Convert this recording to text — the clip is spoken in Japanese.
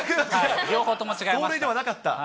走塁ではなかった。